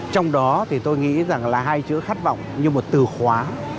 trong đó thì tôi nghĩ rằng là hai chữ khát vọng như một từ khóa